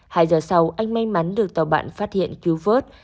hai giờ sau anh may mắn được tàu bạn phát hiện cứu vớt